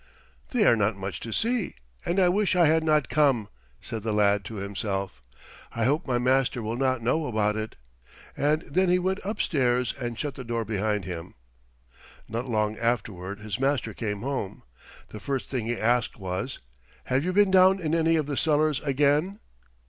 "They are not much to see, and I wish I had not come," said the lad to himself. "I hope my master will not know about it;" and then he went upstairs and shut the door behind him. Not long afterward his master came home. The first thing he asked was, "Have you been down in any of the cellars again?"